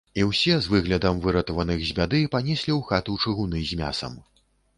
І ўсе, з выглядам выратаваных з бяды, панеслі ў хату чыгуны з мясам.